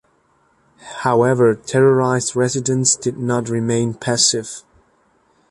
However, terrorized residents did not remain passive.